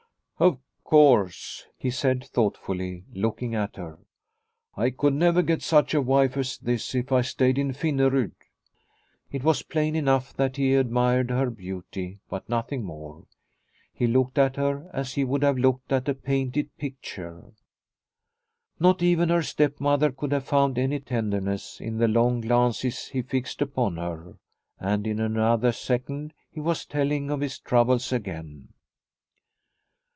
" Of course," he said thoughtfully, looking at her, " I could never get such a wife as this if I stayed in Fin nerud." It was plain enough that he admired her beauty, but nothing more. He looked at her as he would have looked at a painted picture. Not even her stepmother could have found any tenderness in the long glances he fixed upon her. And in another second he was telling of his troubles again.